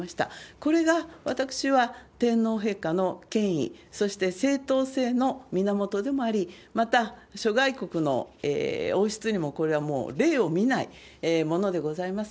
これが私は天皇陛下の権威、そして正統性の源でもあり、また、諸外国の王室にも、これはもう例を見ないものでございます。